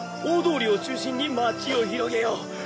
大通りを中心に町を広げよう！